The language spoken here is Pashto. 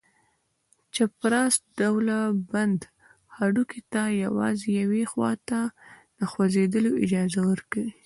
چپراست ډوله بند هډوکي ته یوازې یوې خواته د خوځېدلو اجازه ورکوي.